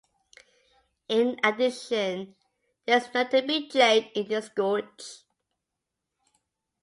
In addition, there is known to be jade in this gorge.